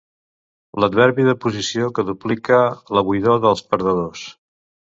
L'adverbi de posició que duplica la buidor dels perdedors.